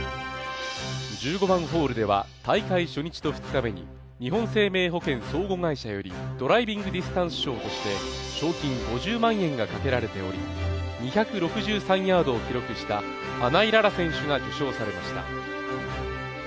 １５番ホールでは、大会初日と２日目に日本生命保険相互会社よりドライビングディスタンス賞として賞金５０万円がかけられており、２６３ヤードを記録した穴井詩選手が受賞されました。